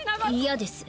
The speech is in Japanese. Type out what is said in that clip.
嫌です。